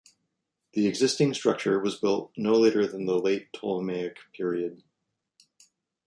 The existing structure was built no later than the late Ptolemaic period.